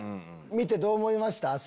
見てどう思いました？